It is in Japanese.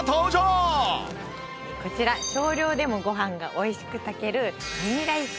こちら少量でもご飯が美味しく炊ける。